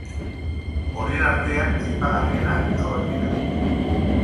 Horien artean aipagarrienak, hauek dira.